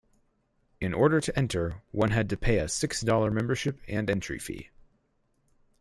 In order to enter, one had to pay a six-dollar membership and entry fee.